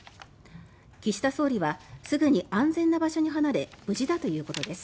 岸田総理はすぐに安全な場所に離れ無事だということです。